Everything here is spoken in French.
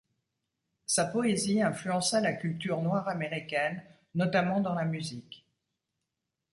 Sa poésie influença la culture noire-américaine, notamment dans la musique.